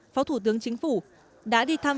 phó thủ tướng chính phủ đã đi thăm